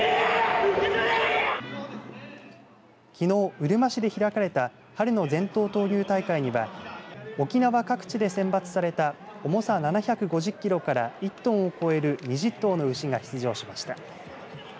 きのう、うるま市で開かれた春の全島闘牛大会には沖縄各地で選抜された重さ７５０キロから１トンを超える２０頭の牛が出場しました。